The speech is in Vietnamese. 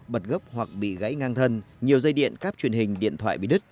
bật gốc hoặc bị gãy ngang thân nhiều dây điện cáp truyền hình điện thoại bị đứt